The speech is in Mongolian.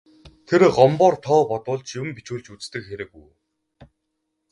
Тэр Гомбоор тоо бодуулж, юм бичүүлж үздэг хэрэг үү.